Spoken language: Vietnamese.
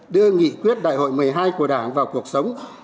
đưa nghị quyết đại hội một mươi hai của đảng vào cuộc sống